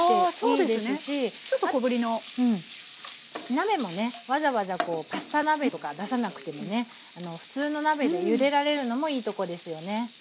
鍋もねわざわざパスタ鍋とか出さなくてもね普通の鍋でゆでられるのもいいとこですよね。